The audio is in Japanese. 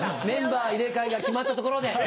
メンバー入れ替えが決まったところで。